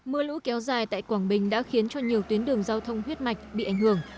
mưa lũ kéo dài tại quảng bình đã khiến cho nhiều tuyến đường giao thông huyết mạch bị ảnh hưởng